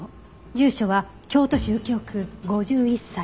住所は京都市右京区５１歳。